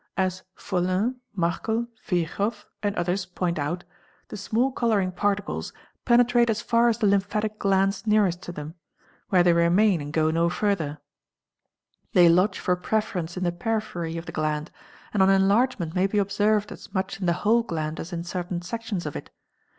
As Follin, Markel, Virchow, and others point out, the small colouring particles penetrate as far as the lymphatic glands nearest to them, where they remain and go no further; they lodge for preference in the periphery of the gland and on enlargement may be observed as much in the whole gland as in certain sections of it.